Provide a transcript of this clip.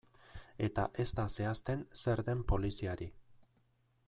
Eta ez da zehazten zer den poliziari.